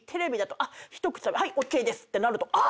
「はいＯＫです」ってなるとあ！